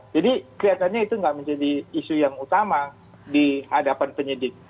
jadi kelihatannya itu tidak menjadi isu yang utama di hadapan penyidik